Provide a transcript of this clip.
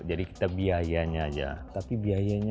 jadi kita biayanya aja tapi biayanya